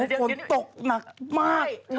โอ้โฮฝนตกหนักมาก